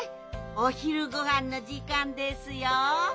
おひるごはんのじかんですよ。